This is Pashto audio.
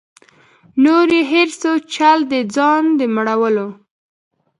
نور یې هېر سو چل د ځان د مړولو